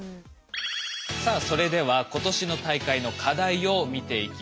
さあそれでは今年の大会の課題を見ていきましょう。